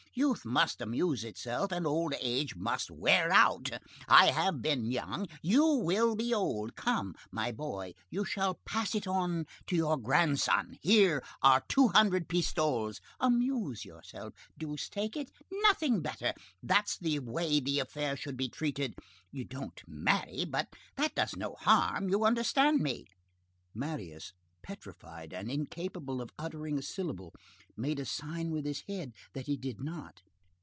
Youth must amuse itself, and old age must wear out. I have been young, you will be old. Come, my boy, you shall pass it on to your grandson. Here are two hundred pistoles. Amuse yourself, deuce take it!' Nothing better! That's the way the affair should be treated. You don't marry, but that does no harm. You understand me?" Marius, petrified and incapable of uttering a syllable, made a sign with his head that he did not.